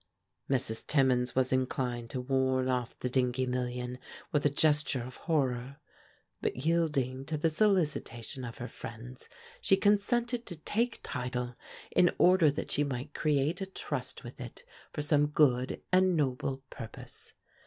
Mrs. Timmins was inclined to warn off the Dingee million with a gesture of horror; but, yielding to the solicitation of her friends, she consented to take title in order that she might create a trust with it for some good and noble purpose.